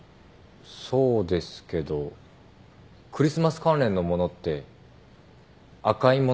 そうですけどクリスマス関連の物って赤い物が多いのに。